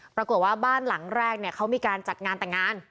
ปรากฏว่าบ้านหลังแรกเนี่ยเขามีการจัดงานแต่งงาน